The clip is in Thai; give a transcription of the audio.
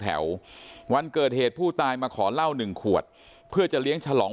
แถววันเกิดเหตุผู้ตายมาขอเหล้าหนึ่งขวดเพื่อจะเลี้ยงฉลอง